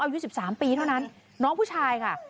อายุ๑๓ปีเท่านั้นน้องผู้ชายค่ะ